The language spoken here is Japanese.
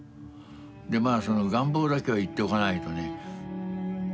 でまあその願望だけは言っておかないとね。